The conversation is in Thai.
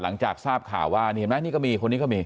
หลังจากทราบข่าวว่านี่เห็นไหมนี่ก็มีคนนี้ก็มี